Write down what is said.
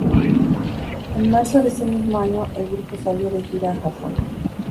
En marzo de ese mismo año, el grupo salió de gira a Japón.